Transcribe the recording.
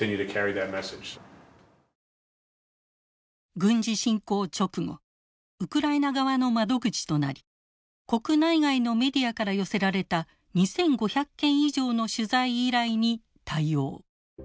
軍事侵攻直後ウクライナ側の窓口となり国内外のメディアから寄せられた２，５００件以上の取材依頼に対応。